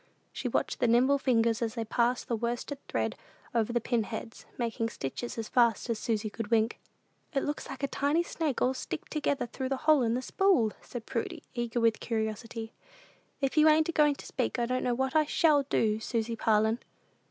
She watched the nimble fingers as they passed the worsted thread over the pin heads, making stitches as fast as Susy could wink. "It looks like a tiny snake all sticked through the hole in the spool," said Prudy, eager with curiosity. "If you ain't a goin' to speak, I don't know what I shall do, Susy Parlin!"